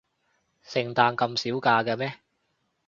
聖誕咁少假嘅咩？